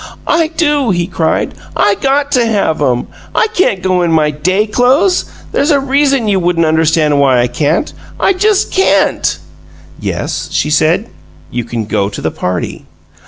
"I do!" he cried. "I GOT to have 'em! I CAN'T go in my day clo'es! There's a reason you wouldn't understand why I can't. I just CAN'T!" "Yes," she said, "you can go to the party."